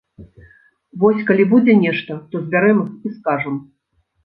Вось калі будзе нешта, то збярэм іх і скажам!